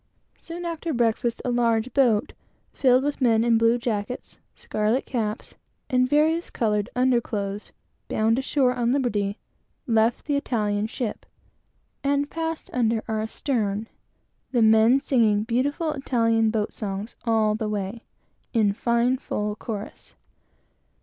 Soon after breakfast, a large boat, filled with men in blue jackets, scarlet caps, and various colored under clothes, bound ashore on liberty, left the Italian ship, and passed under our stern; the men singing beautiful Italian boat songs, all the way, in fine, full chorus.